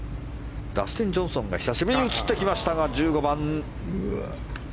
ダスティン・ジョンソンが久しぶりに映ってきましたが１５番。